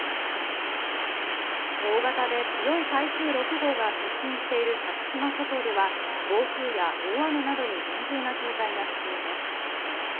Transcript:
大型で強い台風６号が接近している先島諸島では暴風や大雨などに厳重な警戒が必要です。